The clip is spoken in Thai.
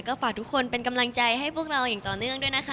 ก็ฝากทุกคนเป็นกำลังใจให้พวกเราอย่างต่อเนื่องด้วยนะคะ